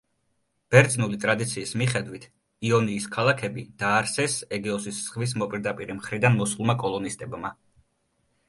ბერძნული ტრადიციის მიხედვით, იონიის ქალაქები დაარსეს ეგეოსის ზღვის მოპირდაპირე მხრიდან მოსულმა კოლონისტებმა.